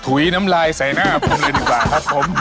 ถุยน้ำลายใส่หน้าผมเลยดีกว่าครับผม